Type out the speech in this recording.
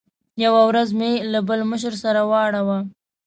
یوه ورځ مې له بل مشر سره واړاوه.